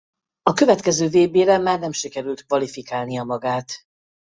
A következő vb-re már nem sikerült kvalifikálnia magát.